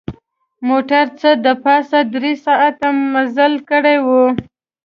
موټر څه د پاسه درې ساعته مزل کړی و.